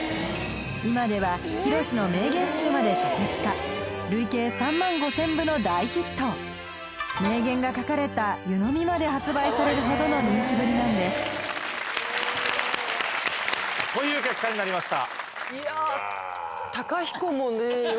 今ではひろしの名言集まで書籍化の大ヒット名言が書かれたまで発売されるほどの人気ぶりなんですという結果になりました。